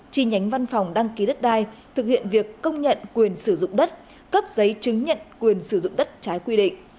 chi nhánh văn phòng đăng ký đất đai thực hiện việc công nhận quyền sử dụng đất cấp giấy chứng nhận quyền sử dụng đất trái quy định